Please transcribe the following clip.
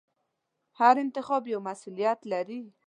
هر انتخاب یو مسؤلیت لري.